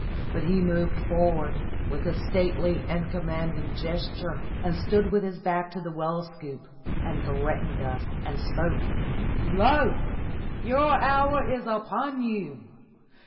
But he moved forward, with a stately and commanding gesture, and stood with his back to the well scoop and threatened us and spoke. "Lo!" he shrieked, "your hour is upon you!